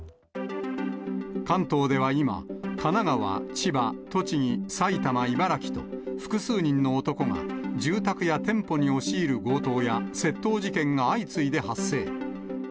関東では今、神奈川、千葉、栃木、埼玉、茨城と、複数人の男が住宅や店舗に押し入る強盗や窃盗事件が相次いで発生。